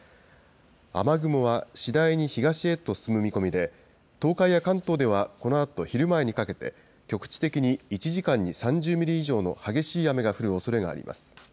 雨雲は次第に東へと進む見込みで、東海や関東ではこのあと昼前にかけて、局地的に１時間に３０ミリ以上の激しい雨が降るおそれがあります。